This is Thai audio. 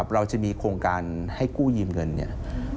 เราจะมีโครงการให้กู้ยืมเงินเนี่ย